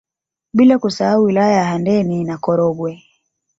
Bila kusahau wilaya za Handeni na Korogwe